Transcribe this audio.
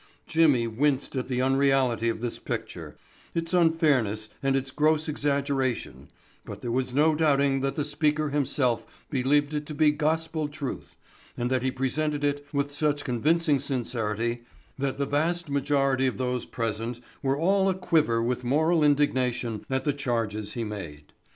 Jimmy winced at the unreality of this picture; its unfairness and its gross exaggeration, but there was no doubting that the speaker himself believed it to be gospel truth and that he presented it with such convincing sincerity that the vast majority of those present were all aquiver with moral indignation at the charges he made.